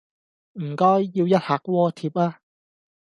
唔該，要一客鍋貼吖